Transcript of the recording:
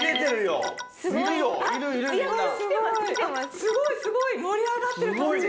すごいすごい盛り上がってる感じが。